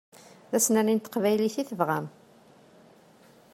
D asnerni n teqbaylit i tebɣam.